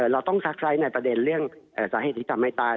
เราต้องทักไซน์ในประเด็นเรื่องศานะเหตุดิกษ์ทำไม่ตาย